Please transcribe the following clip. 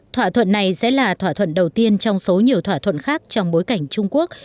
thỏa thuận này sẽ là thỏa thuận đầu tiên trong số nhiều thỏa thuận khác trong bối cảnh trung quốc